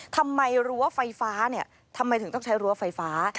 ทำไมรวะไฟฟ้าทำไมถึงต้องใช้รัวไฟฟ้า